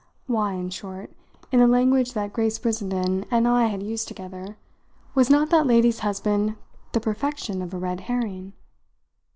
Why, in short, in the language that Grace Brissenden and I had used together, was not that lady's husband the perfection of a red herring?